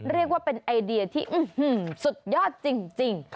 เรียกว่าเป็นไอเดียที่สุดยอดจริง